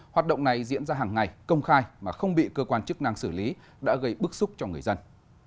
hoạt động này diễn ra hàng ngày công khai mà không bị cơ quan chức năng xử lý đã gây bức xúc cho người dân